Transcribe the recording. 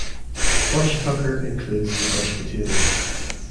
Bush tucker includes the bush potato.